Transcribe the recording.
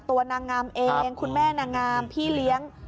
นางงามเองคุณแม่นางงามพี่เลี้ยง